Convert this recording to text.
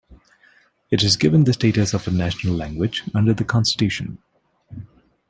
It is given the status of a national language under the constitution.